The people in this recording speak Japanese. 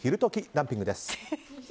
ランキングです。